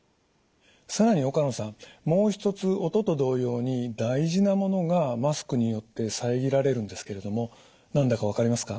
更に岡野さんもう一つ音と同様に大事なものがマスクによって遮られるんですけれども何だか分かりますか？